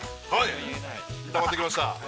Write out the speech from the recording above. ◆炒まってきました。